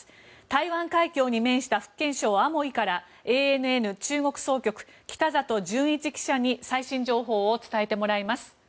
台湾海峡に面した福建省アモイからＡＮＮ中国総局北里純一記者に最新情報を伝えてもらいます。